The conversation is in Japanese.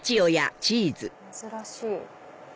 珍しい。